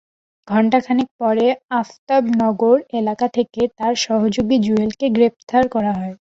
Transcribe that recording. ঘণ্টা খানেক পরে আফতাবনগর এলাকা থেকে তাঁর সহযোগী জুয়েলকে গ্রেপ্তার করা হয়।